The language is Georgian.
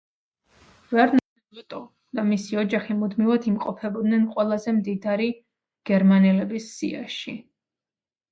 ვერნერ ოტო და მისი ოჯახი მუდმივად იმყოფებოდნენ ყველაზე მდიდარი გერმანელების სიაში.